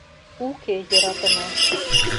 Уке йӧратымаш.